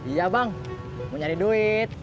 iya bang mau nyari duit